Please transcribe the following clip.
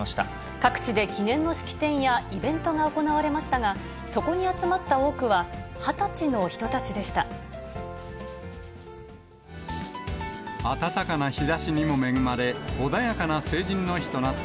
各地で記念の式典や、イベントが行われましたが、そこに集まった多くは、２０歳の人たちでした。